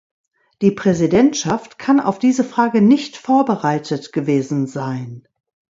Die Präsidentschaft kann auf diese Frage nicht vorbereitet gewesen sein.